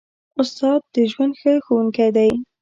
استاد د ژوند ښه ښوونکی دی.